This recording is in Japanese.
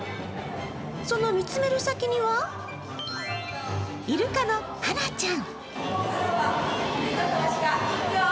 その見つめる先には、イルカのハナちゃん。